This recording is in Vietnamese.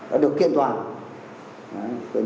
đã được kiện toàn